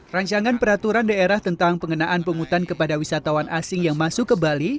rancangan peraturan daerah tentang pengenaan pungutan kepada wisatawan asing yang masuk ke bali